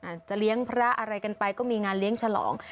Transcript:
จะเลี้ยงพระอะไรกันไปก็มีงานเลี้ยงฉลอง